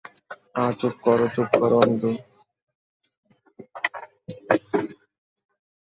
আঃ চুপ করো, চুপ করো অন্তু।